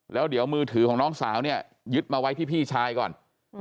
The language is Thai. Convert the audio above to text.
แล้วเดี๋ยวมือถือของน้องสาวเนี่ยยึดมาไว้ที่พี่ชายก่อน